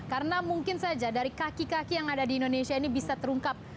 karena mungkin saja dari kaki kaki yang ada di indonesia ini bisa terungkap